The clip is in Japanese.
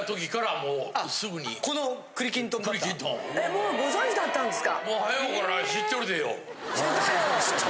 もうご存じだったんですか。